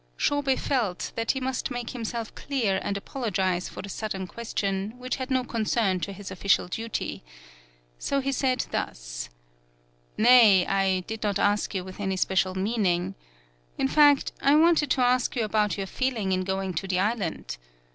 Shobei felt that he must make him self clear and apologize for the sudden question, which had no concern to his official duty. So he said thus: "Nay, I did not ask you with any special meaning. In fact, I wanted to ask you about your feeling in going to the island.